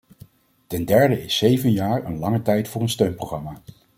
Ten derde is zeven jaar een lange tijd voor een steunprogramma.